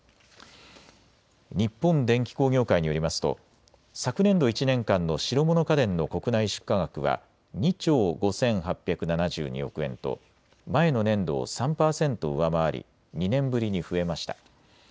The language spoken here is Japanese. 日本電機工業会によりますと昨年度１年間の白物家電の国内出荷額は２兆５８７２億円と前の年度を３％上回り２年ぶりに増えました。